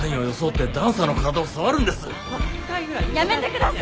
やめてください。